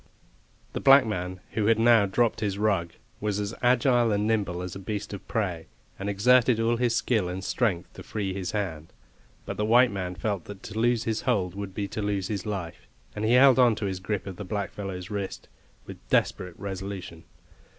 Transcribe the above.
The black man, who had now dropped his rug, was as agile and nimble as a beast of prey, and exerted all his skill and strength to free his hand. But the white man felt that to loose his hold would be to lose his life, and he held on to his grip of the blackfellow's wrist with desperate resolution.